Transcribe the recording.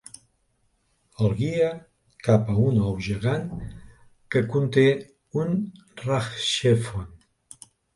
El guia cap a un ou gegant que conté un RahXephon.